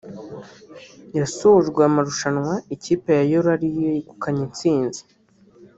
yasojwe amarushanwa ikipe ya Yellow ari yo yegukanye intsinzi